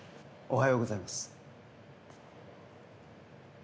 おはようございます。